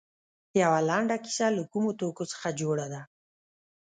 یوه لنډه کیسه له کومو توکو څخه جوړه ده.